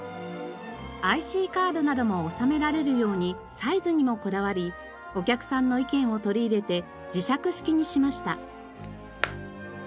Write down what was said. ＩＣカードなども収められるようにサイズにもこだわりお客さんの意見を取り入れて磁石式にしました。